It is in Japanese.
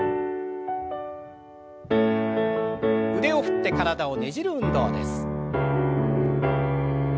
腕を振って体をねじる運動です。